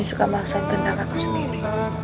suka memaksakan kendalaku sendiri